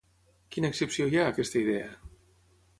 Quina excepció hi ha a aquesta idea?